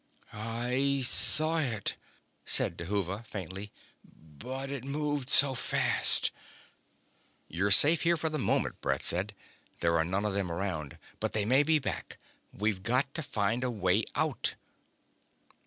"I saw it," said Dhuva faintly. "But it moved so fast ..." "You're safe here for the moment," Brett said. "There are none of them around. But they may be back. We've got to find a way out!"